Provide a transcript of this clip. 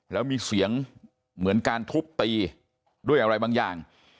แล้วมีเสียงเหมือนการทุบตีด้วยอะไรบางอย่าง